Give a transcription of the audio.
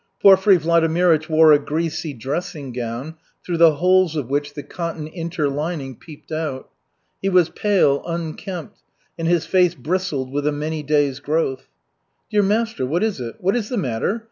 Porfiry Vladimirych wore a greasy dressing gown, through the holes of which the cotton interlining peeped out. He was pale, unkempt, and his face bristled with a many days' growth. "Dear master, what is it? What is the matter?"